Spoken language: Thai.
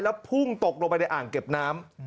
แล้วพุ่งตกลงไปในอ่างเก็บน้ำ